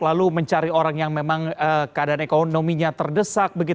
lalu mencari orang yang memang keadaan ekonominya terdesak